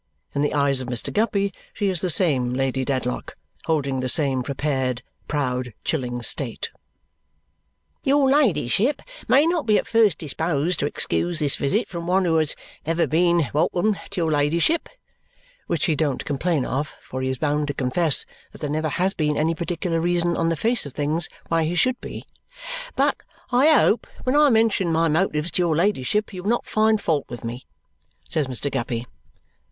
In the eyes of Mr. Guppy she is the same Lady Dedlock, holding the same prepared, proud, chilling state. "Your ladyship may not be at first disposed to excuse this visit from one who has never been welcome to your ladyship" which he don't complain of, for he is bound to confess that there never has been any particular reason on the face of things why he should be "but I hope when I mention my motives to your ladyship you will not find fault with me," says Mr. Guppy.